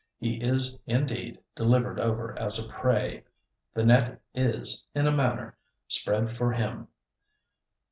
He is indeed delivered over as a prey. The net is, in a manner, spread for him.